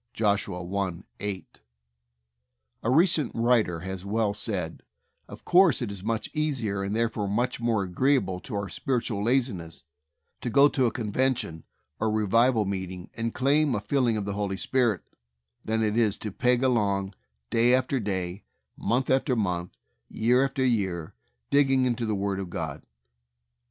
(Josh, i: 8.) A recent writer has well said, "Of course, it is much easier, and therefore much more agreeable to our spiritual laziness, to go to a convention or revival meeting and claim a filling of the Holy Spirit than it is to peg along day after day, month after month, year after year, digging into the Word of God.